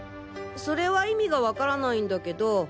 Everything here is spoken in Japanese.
それは意味がわからないんだけど。